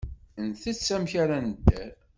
Ntett amek ara nedder.